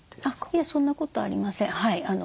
いやそんなことありません。